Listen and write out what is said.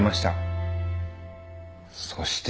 そして。